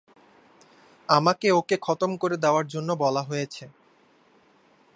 আমাকে ওকে খতম করে দেওয়ার জন্য বলা হয়েছে।